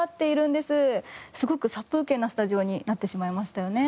すごく殺風景なスタジオになってしまいましたよね。